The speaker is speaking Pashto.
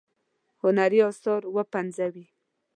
هنري آثار وپنځوي.